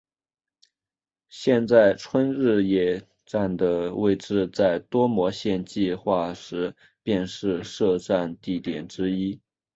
现在春日野站的位置在多摩线计画时便是设站地点之一。